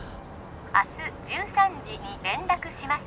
明日１３時に連絡します